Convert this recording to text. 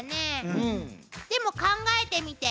でも考えてみて。